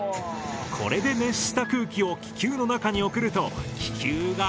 これで熱した空気を気球の中に送ると気球が浮かぶ。